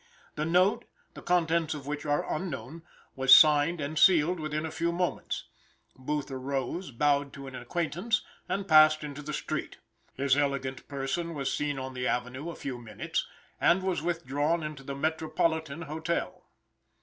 The note, the contents of which are unknown, was signed and sealed within a few moments. Booth arose, bowed to an acquaintance, and passed into the street. His elegant person was seen on the avenue a few minutes, and was withdrawn into the Metropolitan Hotel.